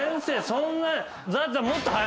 そんな。